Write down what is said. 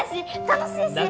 楽しいし！